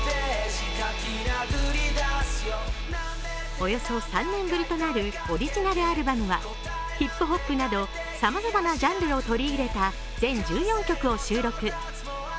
およそ３年ぶりとなるオリジナルアルバムはヒップホップなどさまざまなジャンルを取り入れた全１４曲を収録。